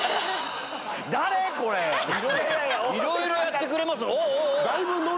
いろいろやってくれます。